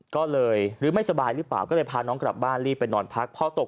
ก็เลยหรือไม่สบายหรือเปล่าก็เลยพาน้องกลับบ้านรีบไปนอนพักพอตก